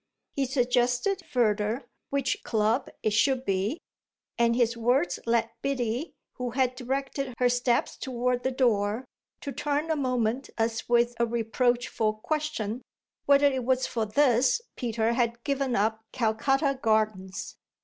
He suggested further which club it should be; and his words led Biddy, who had directed her steps toward the door, to turn a moment as with a reproachful question whether it was for this Peter had given up Calcutta Gardens.